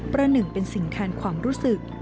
ประหนึ่งเป็นสิ่งแทนความรู้สึก